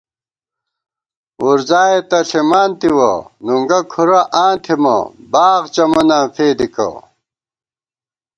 وُرزائےتہ ݪِمانتِوَہ نُنگہ کُھرہ آں تھِمہ باغ چمَناں فېدِکہ